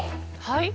はい？